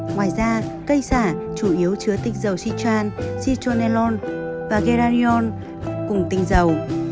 ngoài ra cây sả chủ yếu chứa tinh dầu citron citronellon và geranium cùng tinh dầu